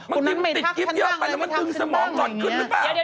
คนนั้นไม่ทักกิฟต์เยอะไปแล้วมันตึงสมองก่อนขึ้นหรือเปล่า